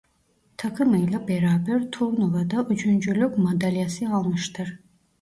Takımıyla beraber turnuvada üçüncülük madalyası almıştır.